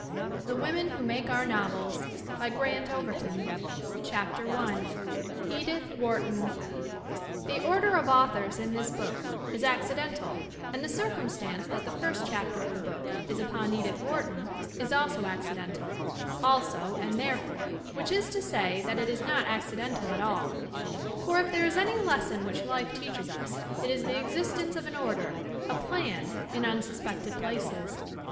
THE WOMEN WHO MAKE OUR NOVELS CHAPTER I EDITH WHARTON THE order of authors in this book is accidental and the circumstance that the first chapter of the book is upon Edith Wharton is also accidental, also and therefore; which is to say that it is not accidental at all. For if there is any lesson which life teaches us it is the existence of an order, a plan, in unsuspected places.